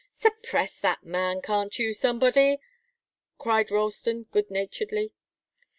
"Suppress that man, can't you somebody?" cried Ralston, good naturedly.